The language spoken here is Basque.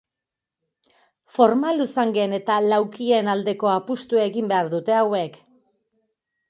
Forma luzangen eta laukien aldeko apustua egin behar dute hauek.